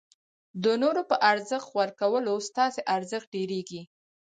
د نورو په ارزښت ورکولو ستاسي ارزښت ډېرېږي.